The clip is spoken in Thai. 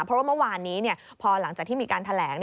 เพราะว่าเมื่อวานนี้พอหลังจากที่มีการแถลง